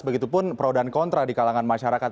begitupun pro dan kontra di kalangan masyarakat